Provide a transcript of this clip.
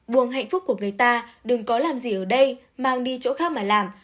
buồng hạnh phúc của người ta đừng có làm gì ở đây mang đi chỗ khác mà làm